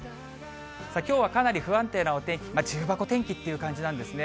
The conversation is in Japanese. きょうはかなり不安定なお天気、重箱天気っていう感じなんですね。